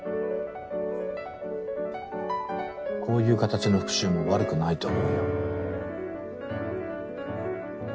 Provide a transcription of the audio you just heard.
こういう形の復讐も悪くないと思うよ。